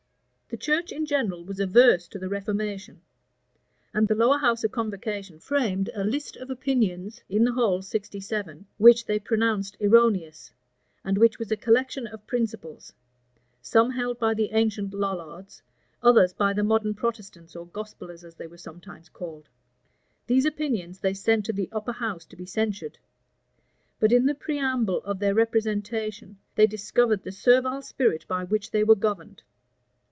The church in general was averse to the reformation; and the lower house of convocation framed a list of opinions, in the whole sixty seven, which they pronounced erroneous, and which was a collection of principles, some held by the ancient Lollards, others by the modern Protestants, or Gospellers, as they were sometimes called. These opinions they sent to the upper house to be censured; but in the preamble of their representation, they discovered the servile spirit by which they were governed.